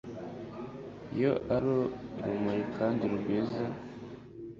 iyo ari urumuri kandi rwiza